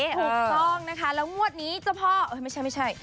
ถูกต้องนะคะแล้วงวดนี้เจ้าพ่อไม่ใช่